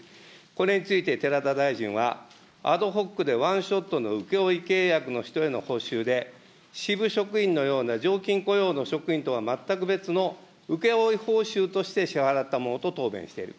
これについて、寺田大臣は、アドホックでワンショットの請け負い契約の人への報酬で、支部職員のような常勤雇用の職員とは全く別の請け負い報酬として支払ったものと答弁している。